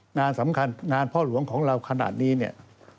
งานสำคัญงานพ่อหลวงของเราขนาดนี้เนี่ย